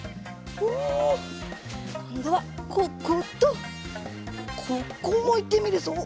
おこんどはこことここもいってみるぞ。